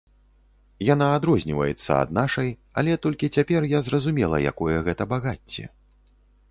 Яна адрозніваецца ад нашай, але толькі цяпер я зразумела, якое гэта багацце.